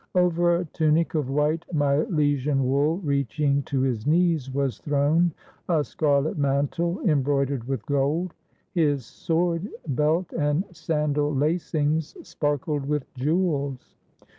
Over a tunic of white Milesian wool reaching to his knees was thrown a scarlet mantle, em broidered with gold; his sword, belt, and sandal lacings sparkled with jewels.